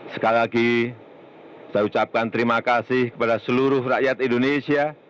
sekali lagi saya ucapkan terima kasih kepada seluruh rakyat indonesia